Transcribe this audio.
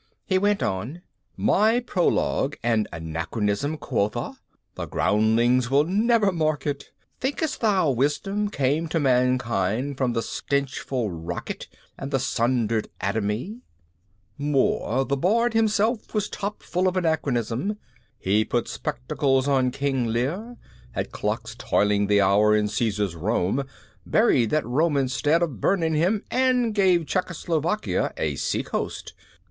He went on, "My prologue an anachronism, quotha! The groundlings will never mark it. Think'st thou wisdom came to mankind with the stenchful rocket and the sundered atomy? More, the Bard himself was topfull of anachronism. He put spectacles on King Lear, had clocks tolling the hour in Caesar's Rome, buried that Roman 'stead o' burning him and gave Czechoslovakia a seacoast.